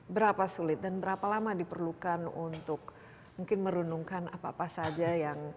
berapa sulit dan berapa lama diperlukan untuk mungkin merunungkan apa apa saja yang